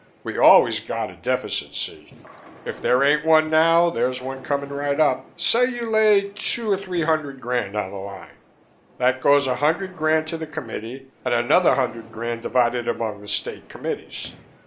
We always got a deficit, see. If there ain't one now there's one coming right up. Say you lay two or three hundred grand on the line. That goes a hundred grand to the Committee and another hundred grand divided among the State Committees.